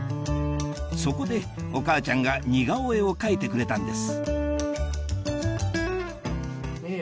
そこでお母ちゃんが似顔絵を描いてくれたんです